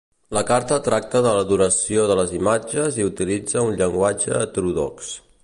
La carta tracta de l'adoració de les imatges i utilitza un llenguatge heterodox.